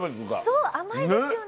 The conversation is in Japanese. そう甘いですよね。